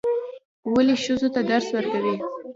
ولې ښځو ته درس ورکوئ؟